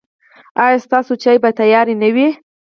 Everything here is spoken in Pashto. ایا ستاسو چای به تیار نه وي؟